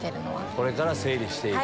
これから整理して行く。